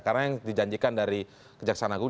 karena yang dijanjikan dari kejaksana agung